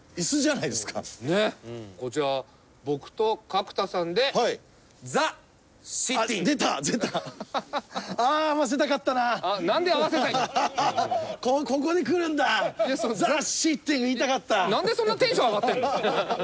なんでそんなにテンション上がってるの？